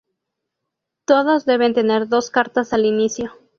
Todos deben tener dos cartas al inicio.